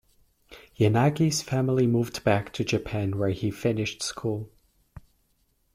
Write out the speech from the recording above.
Yanagi's family moved back to Japan where he finished school.